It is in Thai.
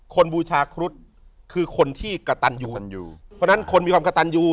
บูชาครุฑคือคนที่กระตันอยู่ตันอยู่เพราะฉะนั้นคนมีความกระตันอยู่